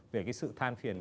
về cái sự than phiền